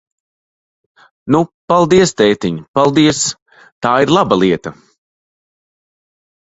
Nu, paldies, tētiņ, paldies! Tā ir laba lieta!